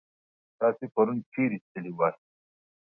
تاسو پرون چيرې تللي واست؟